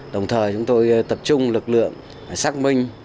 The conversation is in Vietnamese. đồng thời chúng tôi tập trung lực lượng xác minh